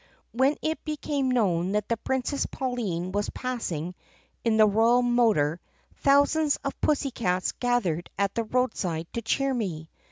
When it became known that the Princess Pauline was passing in the royal motor thousands of pussycats gathered at the roadside to cheer me.